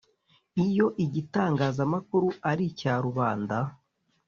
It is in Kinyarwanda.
Iyo igitangazamakuru ari icya rubanda